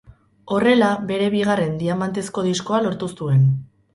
Horrela bere bigarren Diamantezko Diskoa lortu zuen.